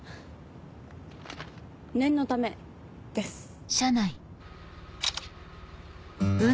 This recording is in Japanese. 念のためです。